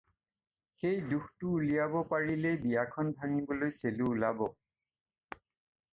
সেই দোষটো উলিয়াব পাৰিলেই বিয়াখন ভাঙিবলৈ চেলু ওলাব।